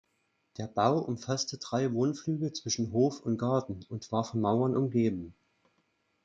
Der Bau umfasste drei Wohnflügel zwischen Hof und Garten und war von Mauern umgeben.